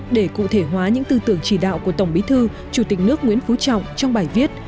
để cụ thể hóa những tư tưởng chỉ đạo của tổng bí thư chủ tịch nước nguyễn phú trọng trong bài viết